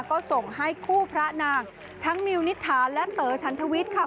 ก็ส่งให้คู่พระนางทั้งมิวนิษฐาและเต๋อฉันทวิทย์ค่ะ